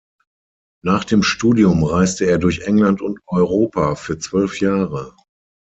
Nach dem Studium reiste er durch England und Europa für zwölf Jahre.